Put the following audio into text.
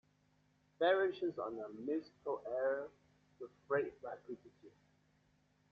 Variations on a musical air With great rapidity.